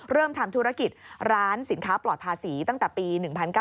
เริ่มทำธุรกิจร้านสินค้าปลอดภาษีตั้งแต่ปี๑๙๙